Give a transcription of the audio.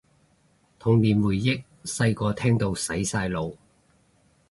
童年回憶，細個聽到洗晒腦